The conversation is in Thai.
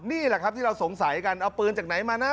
นี่แหละครับที่เราสงสัยกันเอาปืนจากไหนมานะ